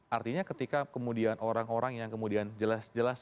artinya ketika kemudian orang orang yang kemudian jelas jelas